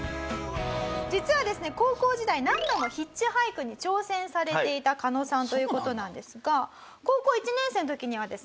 実はですね高校時代何度もヒッチハイクに挑戦されていたカノさんという事なんですが高校１年生の時にはですね